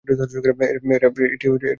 এটি টুরিং-সম্পূর্ণ।